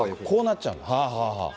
こうなっちゃう？